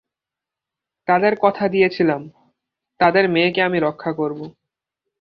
তাদের কথা দিয়েছিলাম, তাদের মেয়েকে আমি রক্ষা করবো।